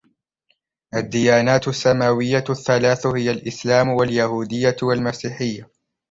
الديانات السماوية الثلاث هي الإسلام واليهودية والمسيحية.